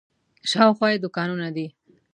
شاوخوا یې دوکانونه دي.